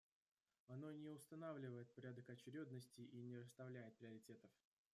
Оно не устанавливает порядок очередности и не расставляет приоритетов.